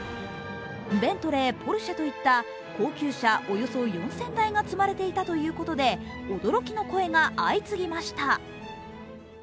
ベントレー、ポルシェといった高級車およそ４０００台が積まれていたということで驚きの声が相次ぎました。